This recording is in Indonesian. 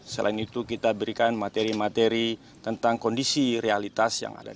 selain itu kita berikan materi materi tentang kondisi realitas yang ada